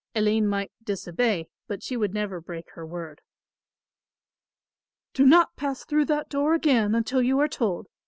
Aline might disobey, but she would never break her word. "Do not pass through that door again, until you are told.